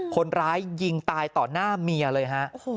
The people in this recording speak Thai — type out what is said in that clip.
คนร้ายยิงตายต่อหน้าเมียเลยฮะ